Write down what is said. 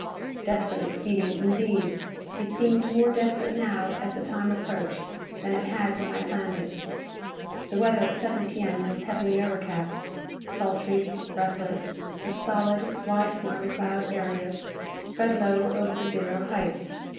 Desperate expedient, indeed! It seemed more desperate now as the time approached than it had when I planned it. The weather at 7 P.M. was heavily overcast. Sultry, breathless, with solid, wide flung cloud areas spread low over the zero height.